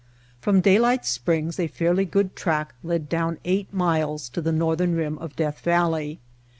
From Daylight Springs a fairly good track led down eight miles to the northern rim of Death Valley.